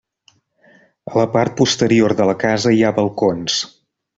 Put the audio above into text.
A la part posterior de la casa hi ha balcons.